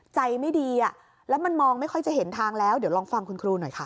ใจไม่ดีอ่ะแล้วมันมองไม่ค่อยจะเห็นทางแล้วเดี๋ยวลองฟังคุณครูหน่อยค่ะ